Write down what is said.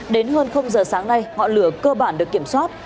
đến hơn giờ sáng nay ngọn lửa cơ bản được kiểm soát